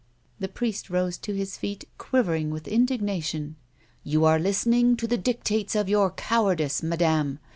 The priest rose to his feet, quivering with indignation. " You are listening to the dictates of your cowardice, madame.